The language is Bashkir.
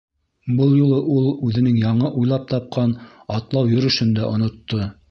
Был юлы ул үҙенең яңы уйлап тапҡан атлау-йөрөшөн дә онотто.